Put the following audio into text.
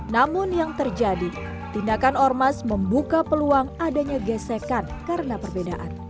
namun yang terjadi tindakan ormas membuka peluang adanya gesekan karena perbedaan